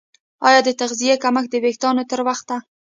ایا د تغذیې کمښت د ویښتانو تر وخته